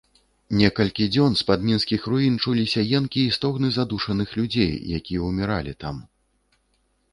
Некалькі дзён з-пад мінскіх руін чуліся енкі і стогны здушаных людзей, якія ўміралі там.